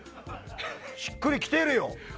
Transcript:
しっくりきてるよ！